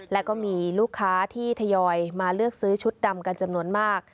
และก็มีลูกค้าที่ทยอยมาเลือกซื้อชุดดำกันจำนวนมาก